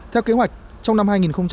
theo kế hoạch trong năm hai nghìn một mươi tám